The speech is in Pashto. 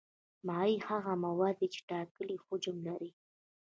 مایع هغه مواد دي چې ټاکلی حجم لري.